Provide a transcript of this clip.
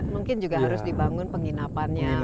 mungkin juga harus dibangun penginapannya